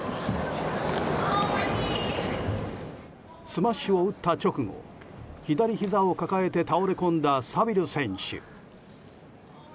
スマッシュを打った直後左ひざを抱えて倒れ込んだサビル選手。